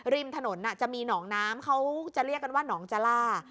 ริมถนนจะมีหนองน้ำเขาจะเรียกกันว่าหนองจาล่า